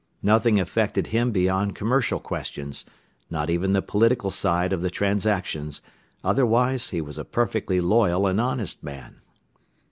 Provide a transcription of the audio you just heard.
Nothing affected him beyond commercial questions, not even the political side of the transactions, otherwise he was a perfectly loyal and honest man.